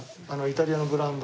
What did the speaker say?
イタリアのブランド。